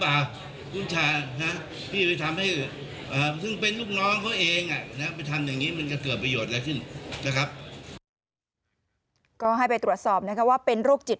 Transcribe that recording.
อย่างนี้มันก็เกิดประโยชน์แล้วคู่นะครับก็ให้ไปตรวจสอบนะคะว่าเป็นโรคจิต